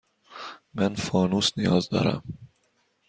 من فانوس نیاز دارم.